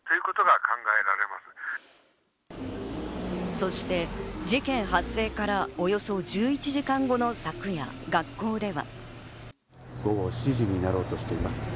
そして事件発生からおよそ１１時間後の昨夜、学校では。